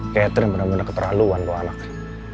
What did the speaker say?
catherine bener bener keterlaluan loh anaknya